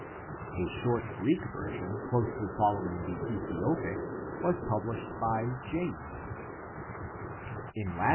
A short Greek version closely following the Ethiopic was published by James in Text and Studies, V.